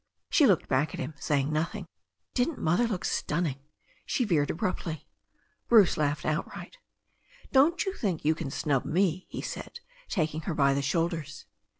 She looked back at him, saying nothing. "Didn't Mother look stunning?" she veered abruptly. Bruce laughed outright. "Don't you think you can snub me," he said, taking her by the shoulders.